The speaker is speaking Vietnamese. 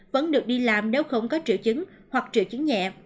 vẫn được đi làm nếu không có triệu chứng hoặc triệu chứng nhẹ